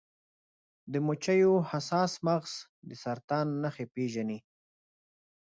د مچیو حساس مغز د سرطان نښې پیژني.